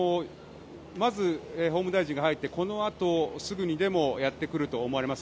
まず、法務大臣が入ってこのあとすぐにでもやってくると思われます。